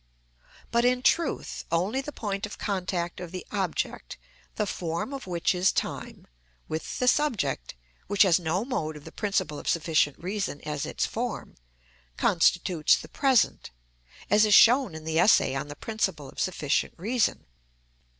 But in truth, only the point of contact of the object, the form of which is time, with the subject, which has no mode of the principle of sufficient reason as its form, constitutes the present, as is shown in the essay on the principle of sufficient reason.